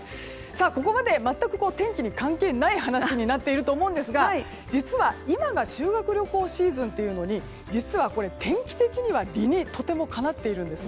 ここまで全く天気とは関係ない話になっていると思うんですが実は、今が修学旅行シーズンというのは実は天気的には、とても理にかなっているんです。